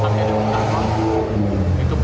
wajah rasa tidak terlalu